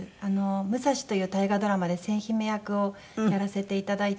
『武蔵ＭＵＳＡＳＨＩ』という大河ドラマで千姫役をやらせていただいて。